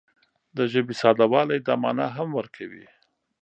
د ژبې ساده والی دا مانا هم نه ورکوي